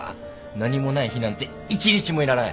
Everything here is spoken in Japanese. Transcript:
何もない日なんて一日もいらない